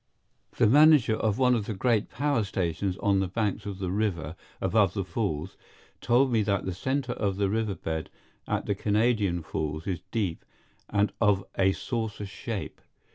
The manager of one of the great power stations on the banks of the river above the Falls told me that the center of the riverbed at the Canadian Falls is deep and of a saucer shape.